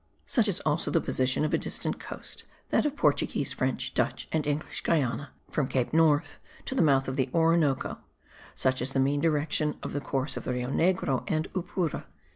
Such is also the position of a distant coast, that of Portuguese, French, Dutch and English Guiana, from Cape North to the mouth of the Orinoco; such is the mean direction of the course of the Rio Negro and Yupura.